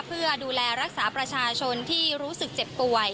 เพื่อดูแลรักษาประชาชนที่รู้สึกเจ็บป่วย